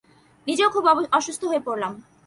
নিজেও খুব অসুস্থ হয়ে পড়লাম।